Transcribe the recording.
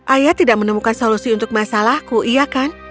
ayah tidak menemukan solusi untuk masalahku iya kan